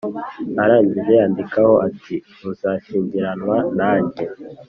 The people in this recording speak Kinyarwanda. arangije yandikaho ati “uzashyingiranwa nanjye?”.